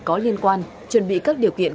có liên quan chuẩn bị các điều kiện